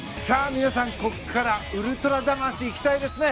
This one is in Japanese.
皆さん、ここからウルトラ魂いきたいですね。